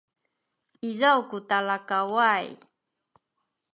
izaw ku talakaway